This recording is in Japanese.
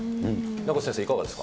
名越先生、いかがですか。